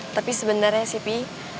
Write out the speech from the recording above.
tapi sebenernya sih pi